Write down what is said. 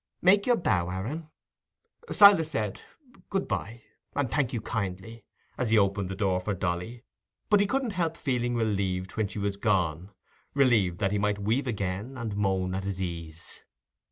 Make your bow, Aaron." Silas said "Good bye, and thank you kindly," as he opened the door for Dolly, but he couldn't help feeling relieved when she was gone—relieved that he might weave again and moan at his ease.